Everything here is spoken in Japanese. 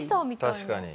確かに。